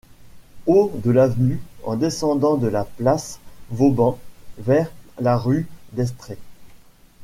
Haut de l'avenue, en descendant de la place Vauban vers la rue d'Estrées.